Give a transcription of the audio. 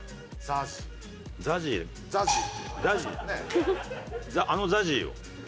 あのＺＡＺＹよ。